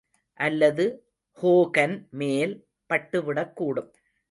அல்லது ஹோகன் மேல் பட்டுவிடக்கூடும்.